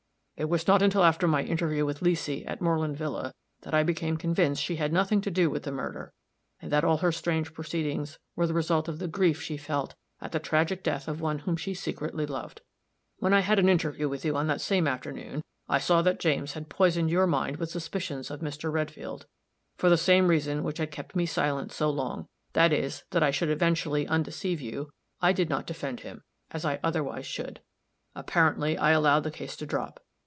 It was not until after my interview with Leesy, at Moreland villa, that I became convinced she had nothing to do with the murder, and that all her strange proceedings were the result of the grief she felt at the tragic death of one whom she secretly loved. When I had an interview with you on that same afternoon, I saw that James had poisoned your mind with suspicions of Mr. Redfield; for the same reason which had kept me silent so long that is, that I should eventually undeceive you I did not defend him, as I otherwise should. Apparently, I allowed the case to drop.